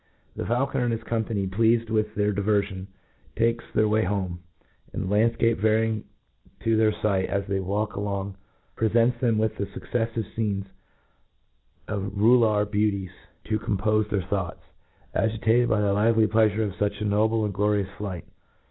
• The faulconer and his company^ pleafed with &eir diverfion^ take their Sfay home ; and the landfcape varying to their fight as they walk a » tphg, prefents them with the fucceflive fcene^ of rular beduties to cdmpofe their thoughts^ a^« tated by the lively pleafure of fuch a noble and glorious flight.